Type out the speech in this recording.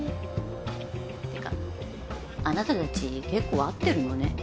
てかあなたたち結構会ってるのね。